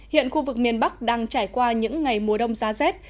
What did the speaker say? hiện khu vực miền bắc đang trải qua những ngày mùa đông giá rét